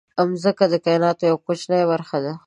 مځکه د کایناتو یوه کوچنۍ برخه ده.